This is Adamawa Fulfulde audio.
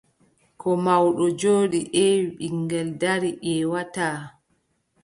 Ko mawɗo jooɗi ƴeewi, ɓiŋngel darii ƴeewataa.